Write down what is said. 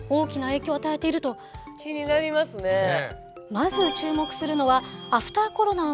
まず注目するのはアフターコロナを迎えた